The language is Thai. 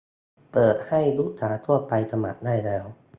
เปิดให้ลูกค้าทั่วไปสมัครได้แล้ว